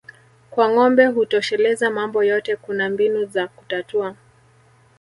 Kwa ngombe hutosheleza mambo yote kuna mbinu za kutatua